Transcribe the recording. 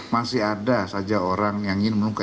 masih ada saja orang yang ingin meluka